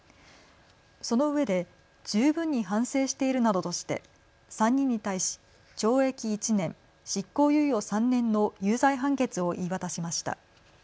そのうえで十分に反省しているなどとして３人に対し懲役１年、執行猶予３年の有罪判決を言い渡しました。